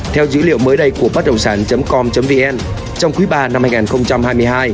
theo dữ liệu mới đây của bấtđồngsản com vn trong quý ba năm hai nghìn hai mươi hai